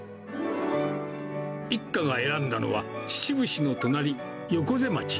一家が選んだのは、秩父市の隣、横瀬町。